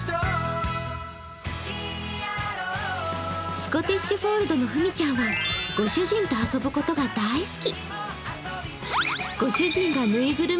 スコティッシュフィールドのふみちゃんはご主人と遊ぶことが大好き。